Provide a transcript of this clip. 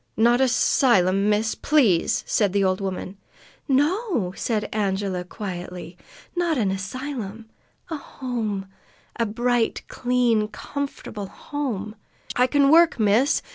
"Not a 'sylum, miss, please!" said the old woman. "No," said Angela quietly. "Not an asylum, A home a bright, clean, comfortable home " "I can work, miss!"